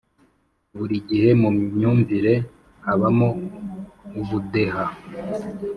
buri gihe mu myumvire habamo ubudeha